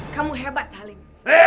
kamu hebat talim